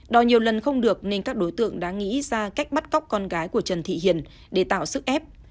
đòi nhiều lần không được nên các đối tượng đã nghĩ ra cách bắt cóc con gái của trần thị hiền để tạo sức ép